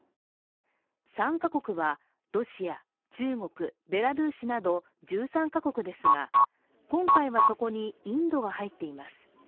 参加国はロシア、中国、ベラルーシなど１３カ国ですが、今回はそこにインドが入っています。